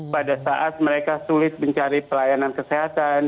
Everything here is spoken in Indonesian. pada saat mereka sulit mencari pelayanan kesehatan